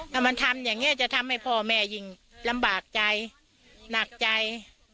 ถ้ามันทำอย่างนี้จะทำให้พ่อแม่ยิ่งลำบากใจหนักใจ